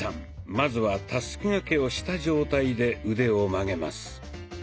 まずはたすき掛けをした状態で腕を曲げます。